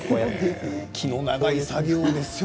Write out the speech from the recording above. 気の長い作業ですよ